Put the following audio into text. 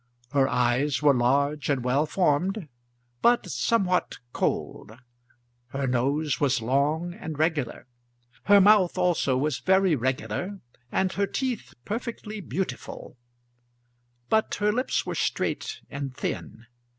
Her eyes were large and well formed, but somewhat cold. Her nose was long and regular. Her mouth also was very regular, and her teeth perfectly beautiful; but her lips were straight and thin.